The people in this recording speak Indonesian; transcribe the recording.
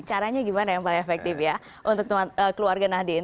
caranya gimana yang paling efektif ya untuk keluarga nahdin